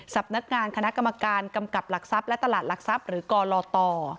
สำนักงานคณะกรรมการกำกับหลักทรัพย์และตลาดหลักทรัพย์หรือกรต